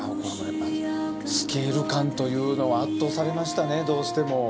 スケール感というのは圧倒されましたね、どうしても。